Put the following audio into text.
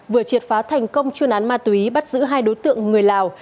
vừa triệt phá thành công chuyên án ma túy bắt giữ hai đối tượng người lào